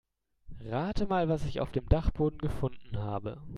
Rate mal, was ich auf dem Dachboden gefunden habe.